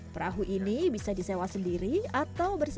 perahu ini bisa disewa sendiri atau bersama sama dengan pengujian perahu ini